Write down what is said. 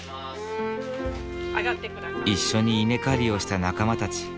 一緒に稲刈りをした仲間たち。